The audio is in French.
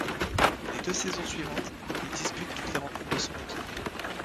Les deux saisons suivantes, il dispute toutes les rencontres de son équipe.